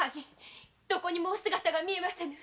どこにもお姿が見えませぬ。